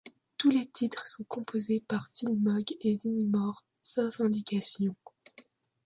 Tous les titres sont composés par Phil Mogg et Vinnie Moore sauf indications.